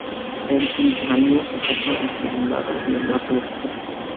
Es un uranilo-sulfato hidroxilado e hidratado de potasio.